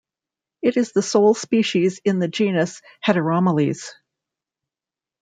It is the sole species in the genus Heteromeles.